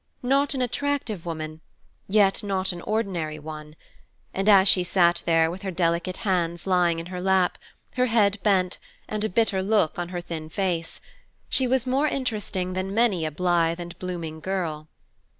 Not an attractive woman, yet not an ordinary one; and, as she sat there with her delicate hands lying in her lap, her head bent, and a bitter look on her thin face, she was more interesting than many a blithe and blooming girl.